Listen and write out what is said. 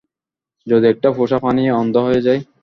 যদি একটা পোষা প্রাণী অন্ধ হয়ে যায়?